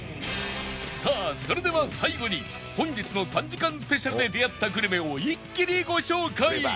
さあそれでは最後に本日の３時間スペシャルで出会ったグルメを一気にご紹介！